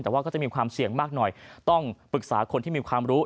แต่ว่าก็จะมีความเสี่ยงมากหน่อยต้องปรึกษาคนที่มีความรู้